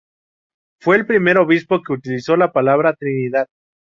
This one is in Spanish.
Fue el primer obispo que utilizó la palabra "Trinidad".